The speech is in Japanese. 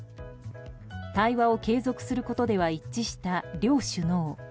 対話を継続することでは一致した両首脳。